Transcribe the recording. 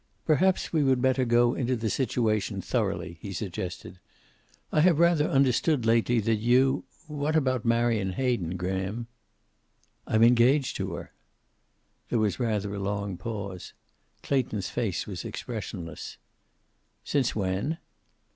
"Perhaps we would better go into the situation thoroughly," he suggested. "I have rather understood, lately, that you what about Marion Hayden, Graham?" "I'm engaged to her." There was rather a long pause. Clayton's face was expressionless. "Since when?"